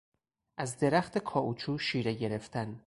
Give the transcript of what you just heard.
از درخت کائوچو شیره گرفتن